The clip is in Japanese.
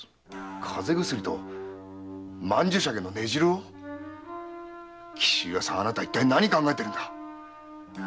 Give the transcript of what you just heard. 風邪薬と曼珠沙華の根汁を⁉紀州屋さんあなた一体何を考えているんだ！